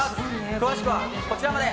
詳しくはこちらまで。